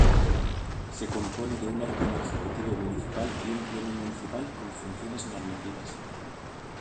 Se compone de un órgano Ejecutivo Municipal y un Pleno Municipal con funciones normativas.